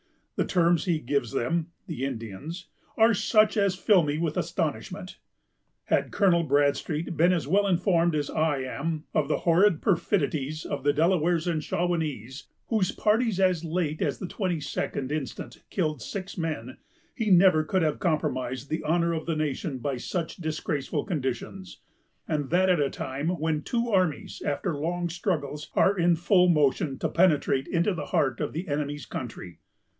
The terms he gives them (the Indians) are such as fill me with astonishment.... Had Colonel Bradstreet been as well informed as I am of the horrid perfidies of the Delawares and Shawanese, whose parties as late as the 22d instant killed six men ... he never could have compromised the honor of the nation by such disgraceful conditions, and that at a time when two armies, after long struggles, are in full motion to penetrate into the heart of the enemy's country.